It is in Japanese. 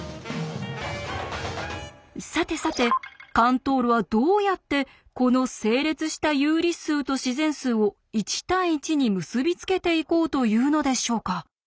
さてさてカントールはどうやってこの整列した有理数と自然数を１対１に結び付けていこうというのでしょうか。